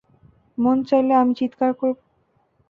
মন চাইলে আমি চিৎকার করব।